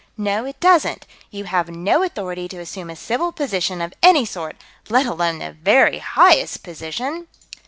"No, it doesn't. You have no authority to assume a civil position of any sort, let alone the very highest position...."